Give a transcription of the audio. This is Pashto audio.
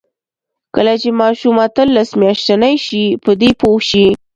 کله چې ماشوم اتلس میاشتنۍ شي، په دې پوه شي.